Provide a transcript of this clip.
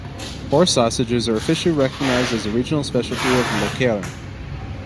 Horse sausages are officially recognized as a regional specialty of Lokeren.